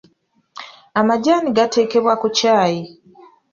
Amajaani gateekebwa ku ccaayi.